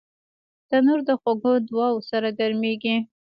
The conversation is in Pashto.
تنور د خوږو دعاوو سره ګرمېږي